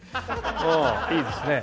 うんいいですね。